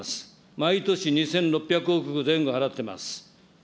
毎年２６００億前後払っています。